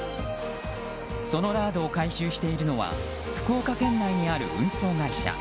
そのラードを回収しているのは福岡県内にある運送会社。